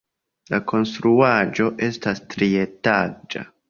La konstruaĵo estas trietaĝa.